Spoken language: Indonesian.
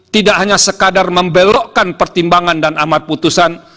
tidak hanya sekadar membelokkan pertimbangan dan amat putusan